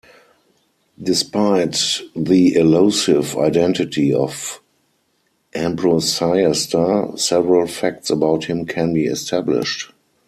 Despite the elusive identity of Ambrosiaster, several facts about him can be established.